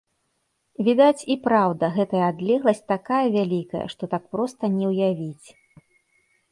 Відаць, і праўда, гэтая адлегласць такая вялікая, што так проста не ўявіць.